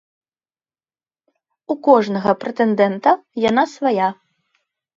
У кожнага прэтэндэнта яна свая.